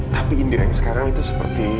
tapi indira yang sekarang itu seperti